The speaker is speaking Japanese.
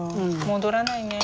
戻らないね。